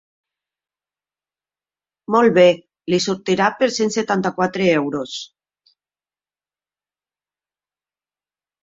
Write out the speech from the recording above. Molt bé, li sortira per cent setanta-quatre euros.